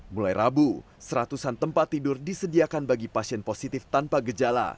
mulai rabu seratusan tempat tidur disediakan bagi pasien positif tanpa gejala